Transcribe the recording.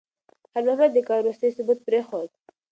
خیر محمد د کار وروستی ثبوت پرېښود.